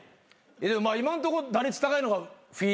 今んとこ打率高いのがフィー。